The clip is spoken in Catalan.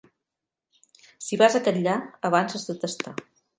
Si vas a Catllar, abans has de testar.